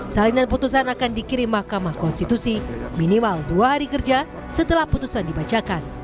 salinan putusan akan dikirim mahkamah konstitusi minimal dua hari kerja setelah putusan dibacakan